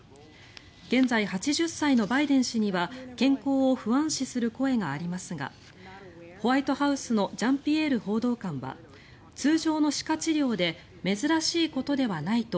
現在８０歳のバイデン氏には健康を不安視する声がありますがホワイトハウスのジャンピエール報道官は通常の歯科治療で珍しいことではないと